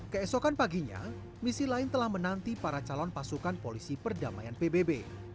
keesokan paginya misi lain telah menanti para calon pasukan polisi perdamaian pbb